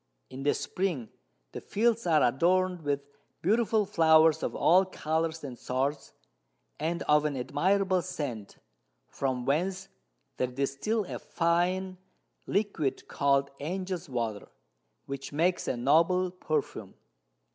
In the Spring the Fields are adorn'd with beautiful Flowers of all Colours and sorts, and of an admirable Scent, from whence they distil a fine Liquid called Angels Water, which makes a noble Perfume.